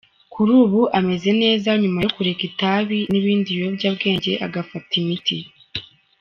Kuri ubu ameze neza nyuma yo kureka itabi n’ibindi biyobyabwenge agafata imiti.